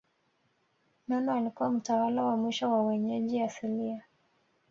Nono alikuwa mtawala wa mwisho wa wenyeji asilia